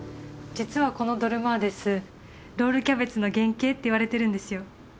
実はこのドルマーデスロールキャベツの原型って言われてるんですよ。